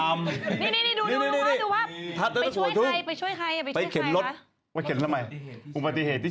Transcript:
มาสิบปีที่แล้วอีก